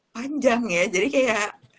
panjang ya jadi kayak